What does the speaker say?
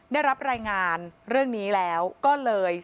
ได้รับรายงานเรื่องนี้แล้วก็เลย